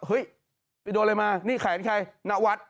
เฮ้ยไปโดนอะไรมานี่แขนใครนวัฒน์